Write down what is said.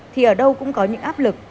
thì ở đâu cũng có những áp lực